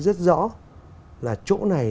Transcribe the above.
rất rõ là chỗ này